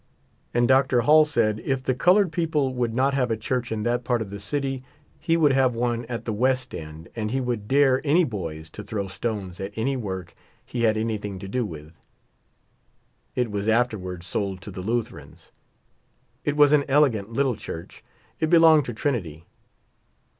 And Dr. Hall said if the colored people would not have a church in that part of the city, he would have one at the west end, and he would dare any boys to throw stones at any work he had any thing to do with. It was afterward sold to the Lutherans. It was an elegant little church ; it belonged to Trinity.